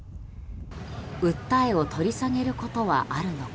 訴えを取り下げることはあるのか。